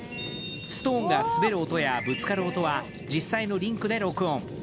ストーンが滑る音やぶつかる音は実際のリンクで録音。